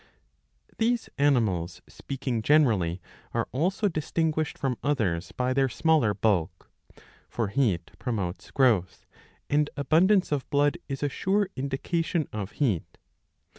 ^* 669 b. ^6 iii, 6 — iii. 7. These animals, speaking generally, are also distinguished from others by their smaller bulk.^^ For heat promotes growth, and' abundance of blood is a sure indication of heat.